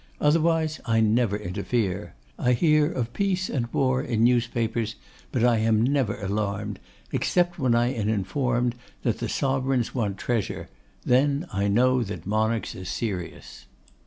Otherwise, I never interfere. I hear of peace and war in newspapers, but I am never alarmed, except when I am informed that the Sovereigns want treasure; then I know that monarchs are serious.